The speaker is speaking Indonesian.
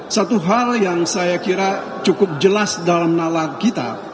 satu hal yang saya kira cukup jelas dalam nala kita